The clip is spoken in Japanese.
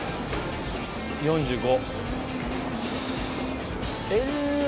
４５。